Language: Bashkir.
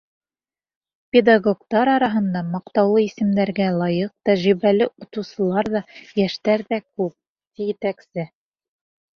— Педагогтар араһында маҡтаулы исемдәргә лайыҡ тәжрибәле уҡытыусылар ҙа, йәштәр ҙә күп, — ти етәксе.